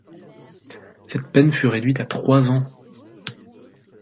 Cette peine fut réduite à trois ans.